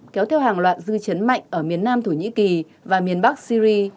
kéo theo hàng loạt dư chấn mạnh ở miền nam thổ nhĩ kỳ và miền bắc syri